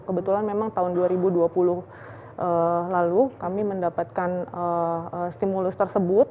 kebetulan memang tahun dua ribu dua puluh lalu kami mendapatkan stimulus tersebut